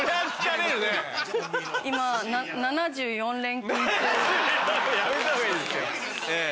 ７４やめた方がいいですよ。